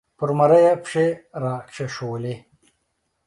پر مرۍ یې پښې را کېښودې